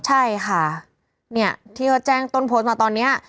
ใช่ค่ะเนี่ยที่เขาแจ้งต้นโพสต์มาตอนนี้